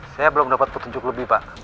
saya belum dapat petunjuk lebih pak